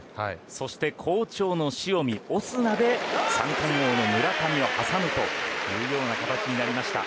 そして好調の塩見、オスナで三冠王の村上を挟むというような形になりました。